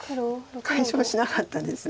解消しなかったです。